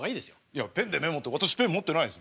いやペンでメモって私ペン持ってないですよ。